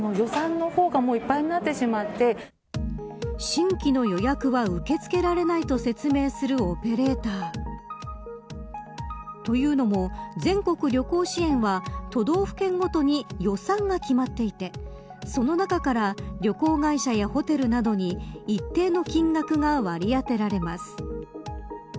新規の予約は受け付けられないと説明するオペレーター。というのも全国旅行支援は都道府県ごとに予算が決まっていてその中から旅行会社やホテルなどに一定の金額が割り当てられます。